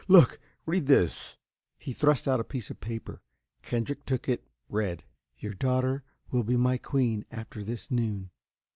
Look! Read this!" He thrust out a piece of paper. Kendrick took it, read: Your daughter will be my queen, after this noon.